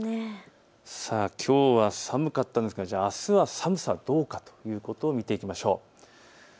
きょうは寒くなったんですがあすは寒さどうなるか見ていきましょう。